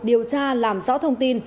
điều tra làm rõ thông tin